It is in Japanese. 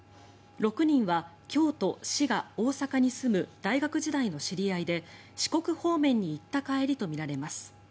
６人は京都、滋賀、大阪に住む大学時代の知り合いで四国方面に行った帰りとみられます。